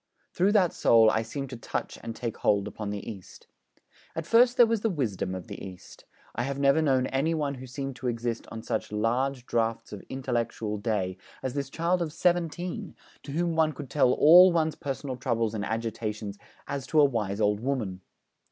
Through that soul I seemed to touch and take hold upon the East. And first there was the wisdom of the East. I have never known any one who seemed to exist on such 'large draughts of intellectual day' as this child of seventeen, to whom one could tell all one's personal troubles and agitations, as to a wise old woman.